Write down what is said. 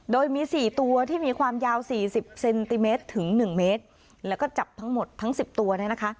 โดยมีสี่ตัวที่มีความยาวสี่สิบเซนติเมตรถึงหนึ่งเมตรแล้วก็จับทั้งหมดทั้งสิบตัวเนี่ยนะคะ